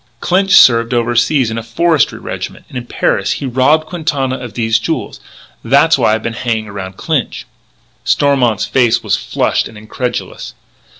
"Clinch served over seas in a Forestry Regiment. In Paris he robbed Quintana of these jewels. That's why I've been hanging around Clinch." Stormont's face was flushed and incredulous.